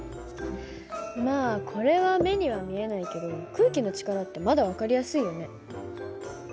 まあこれは目には見えないけど空気の力ってまだ分かりやすいよね。